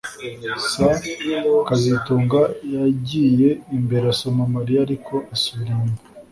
S kazitunga yagiye imbere asoma Mariya ariko asubira inyuma